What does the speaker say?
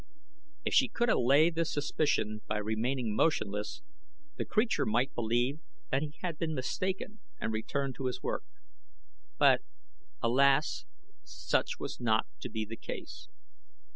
If she could allay this suspicion by remaining motionless the creature might believe that he had been mistaken and return to his work; but, alas, such was not to be the case.